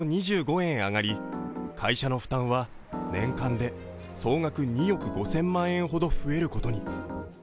およそ２５円上がり、会社の負担は年間で総額２億５０００万円ほど増えることに。